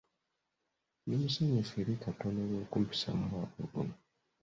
Ndi musanyufu eri Katonda olw'okumpisa mu mwaka guno.